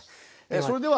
それでは。